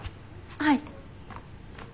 はい。